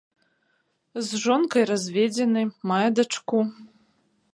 З жонкай разведзены, мае дачку.